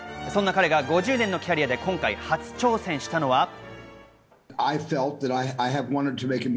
そんな彼が５０年のキャリアで今回、初挑戦したのは。